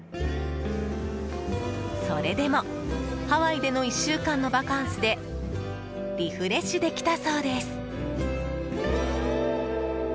それでもハワイでの１週間のバカンスでリフレッシュできたそうです。